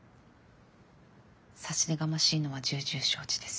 差し出がましいのは重々承知です。